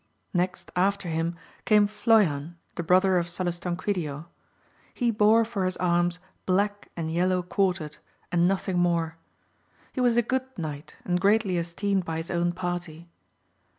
Next after him came Floyan the brother of Salustanquidio : he bore for his arms black and yellow quartered, and nothing more ; he was a good knight and greatly esteemed by his own party.